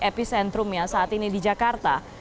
epicentrum nya saat ini di jakarta